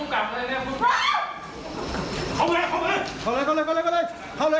เขามาเลยเขาเลยเขาเลยเขาเลยเขาเลย